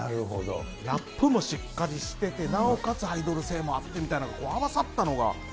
ラップもしっかりしてて、なおかつアイドル性もあってみたいなとか、合わさったのが。